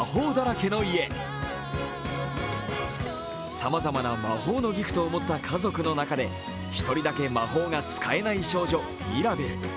さまざまな魔法のギフトを持った家族の中で１人だけ魔法が使えない少女、ミラベル。